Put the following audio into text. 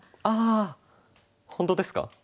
ああ本当ですか？